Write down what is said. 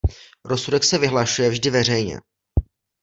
Rozsudek se vyhlašuje vždy veřejně.